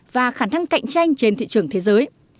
và khả năng cạnh tranh trên thị trường thế giới